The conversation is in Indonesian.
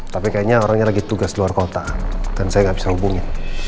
tapi kayaknya orangnya lagi tugas luar kota dan saya nggak bisa hubungin